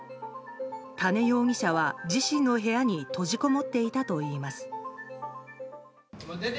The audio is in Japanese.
多禰容疑者は自身の部屋に閉じこもっていたといいます。